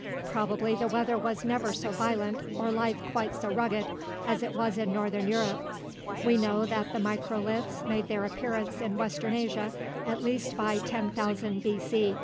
Probably the weather was never so violent or life quite so rugged as it was in northern Europe. We know that the microliths made their appearance in western Asia at least by 10,000 B.C.